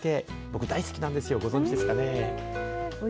僕、大好きなんですよ、ご存じですかね。